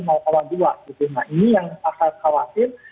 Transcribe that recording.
nah ini yang saya khawatir